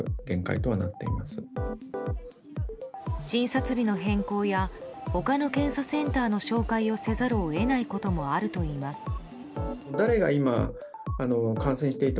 診察日の変更や他の検査センターの紹介をせざるを得ないこともあるといいます。